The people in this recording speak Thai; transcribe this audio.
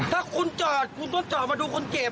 ถ้าคุณจอดคุณต้องจอดมาดูคนเจ็บ